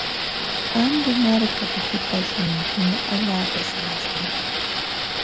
Ambo markapa shipashninkuna allaapa shumaqmi.